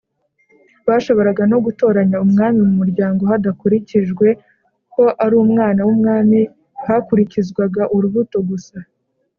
bashoboraga no gutoranya umwami mu muryango hadakurikijwe ko ari umwana w'umwami. hakurikizwaga urubuto gusa.